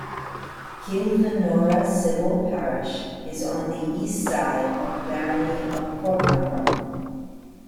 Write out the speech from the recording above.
Kilfenora civil parish is on the east side of barony of Corcomroe.